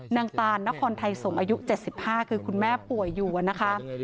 ตานนครไทยสมอายุ๗๕คือคุณแม่ป่วยอยู่นะคะ